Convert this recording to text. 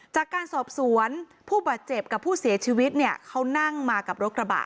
จากการสอบสวนผู้บาดเจ็บกับผู้เสียชีวิตเนี่ยเขานั่งมากับรถกระบะ